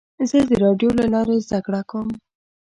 زه د راډیو له لارې زده کړه کوم.